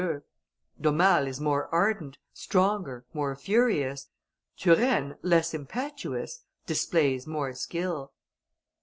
_ D'Aumale is more ardent, stronger, more furious; Turenne, less impetuous, displays more skill.